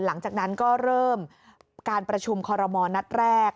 หลังจากนั้นก็เริ่มการประชุมคอรมณ์นัดแรก